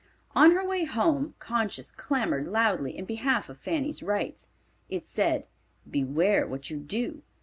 On her way home, conscience clamored loudly in behalf of Fanny's rights. It said, "Beware what you do!